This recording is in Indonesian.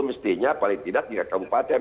mestinya paling tidak tiga kabupaten